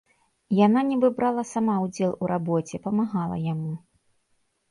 Яна нібы брала сама ўдзел у рабоце, памагала яму.